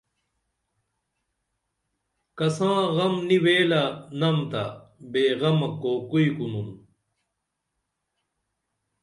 کساں غم نی ویلہ نم تہ بے غمیہ کوکوئی کُنُن